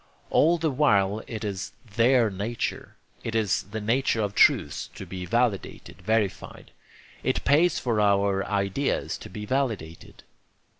All the while it is THEIR nature. It is the nature of truths to be validated, verified. It pays for our ideas to be validated.